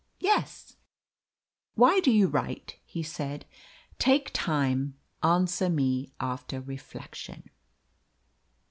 "Yes." "Why do you write?" he said. "Take time; answer me after reflection."